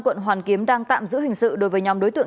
phân nguồn theo yếu tố